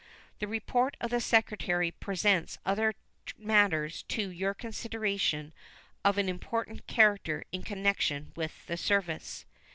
The report of the Secretary presents other matters to your consideration of an important character in connection with the service.